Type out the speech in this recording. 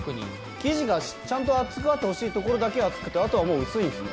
生地がちゃんと厚くあってほしい所だけ厚くて、あとはもう薄いんですね。